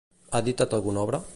Ha editat alguna obra?